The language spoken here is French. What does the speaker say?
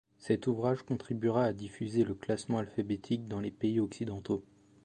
Cet ouvrage contribuera à diffuser le classement alphabétique dans les pays occidentaux.